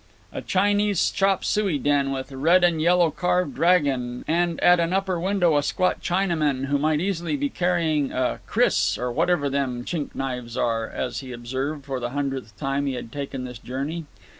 A Chinese chop suey den with a red and yellow carved dragon, and at an upper window a squat Chinaman who might easily be carrying a kris, "or whatever them Chink knives are," as he observed for the hundredth time he had taken this journey.